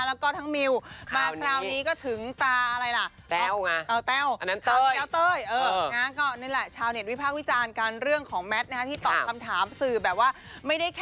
บางคนก็เลยมองว่าอ้าวแก๊งแตกแล้วละมาก